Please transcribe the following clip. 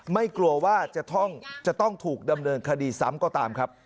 ไม่กลัวว่าจะต้องถูกดำเนินคดีซ้ำก็ตามครับ